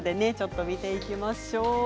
見ていきましょう。